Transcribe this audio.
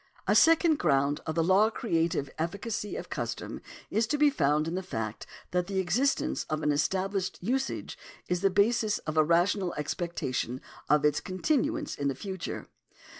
A second ground of the law creative efficacy of custom is to be found in the fact that the existence of an established usage is the basis of a rational expectation of its continuance in the future.